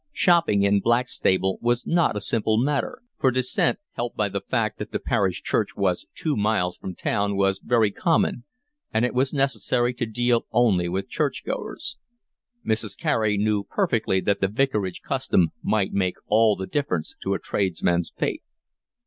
Shopping in Blackstable was not a simple matter; for dissent, helped by the fact that the parish church was two miles from the town, was very common; and it was necessary to deal only with churchgoers; Mrs. Carey knew perfectly that the vicarage custom might make all the difference to a tradesman's faith.